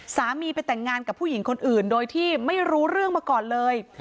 ไปแต่งงานกับผู้หญิงคนอื่นโดยที่ไม่รู้เรื่องมาก่อนเลย